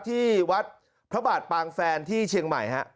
ที่วัดพระบาทปางแฟนที่เชียงใหม่ฮะ